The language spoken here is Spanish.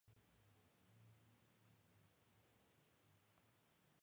El comunicado de la Triple A decía: ""La lista sigue.